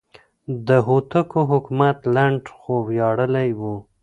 د هوتکو حکومت لنډ خو ویاړلی و.